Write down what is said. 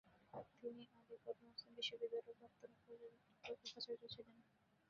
তিনি আলীগড় মুসলিম বিশ্ববিদ্যালয়ের প্রাক্তন উপাচার্য ছিলেন।